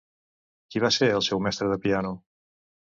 Qui va ser el seu mestre de piano?